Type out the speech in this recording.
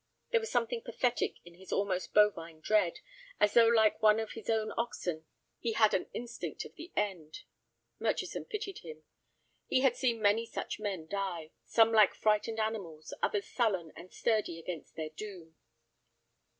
There was something pathetic in his almost bovine dread, as though like one of his own oxen he had an instinct of the end. Murchison pitied him. He had seen many such men die, some like frightened animals, others sullen and sturdy against their doom.